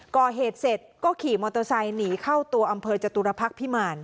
ก่อเหตุเสร็จก็ขี่มอเตอร์ไซค์หนีเข้าตัวอำเภอจตุรพักษ์พิมาร